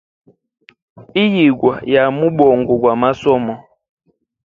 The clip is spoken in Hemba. Iyigwa ya mubongo gwa masomo.